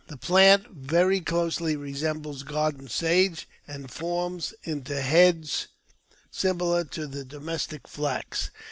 The plant very closely resembles garden sage, and forms into heads similar to the domestic flax.